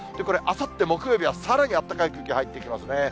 これ、あさって木曜日はさらにあったかい空気入ってきますね。